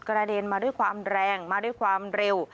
กระเด็นมาด้วยความแรงมาด้วยความเร็ว